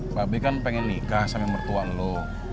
mbak be kan pengen nikah sama mertua lo